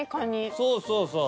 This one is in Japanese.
そうそうそう。